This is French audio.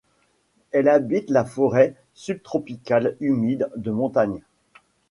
Elle habite la forêt subtropicale humide de montagne.